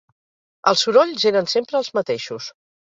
Els sorolls eren sempre els mateixos.